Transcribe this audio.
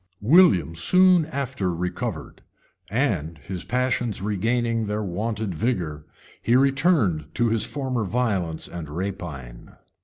] William soon after recovered; and his passions regaining their wonted vigor, he returned to his former violence and rapine.